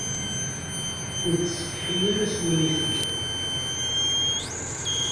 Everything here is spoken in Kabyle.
Ur ttsetḥi ara s wayen i telliḍ.